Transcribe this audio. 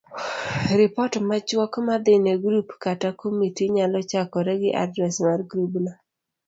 Ripot machuok madhine grup kata komiti nyalo chakore gi adres mar grubno.